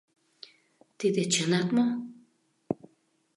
— Тиде чынак мо?